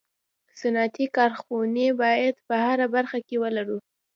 صنعتي کارخوني باید په هره برخه کي ولرو